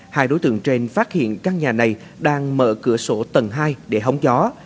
hai đối tượng trên phát hiện căn nhà này đang mở cửa sổ tầng hai để hóng gió